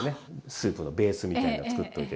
スープのベースみたいのをつくっといて。